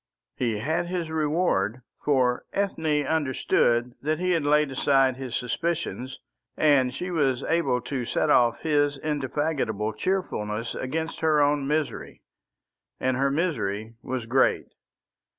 He had his reward, for Ethne understood that he had laid aside his suspicions, and she was able to set off his indefatigable cheerfulness against her own misery. And her misery was great.